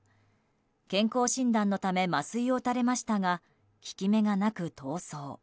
健康診断のため麻酔を打たれましたが効き目がなく逃走。